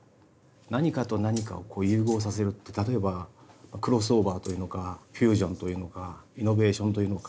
何かと何かをこう融合させるって例えばクロスオーバーというのかフュージョンというのかイノベーションというのか。